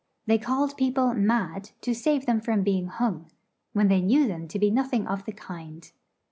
They called people 'mad' to save them from being hung, when they knew them to be nothing of the kind.